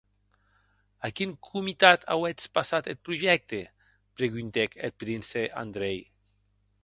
A quin comitat auetz passat eth projècte?, preguntèc eth prince Andrei.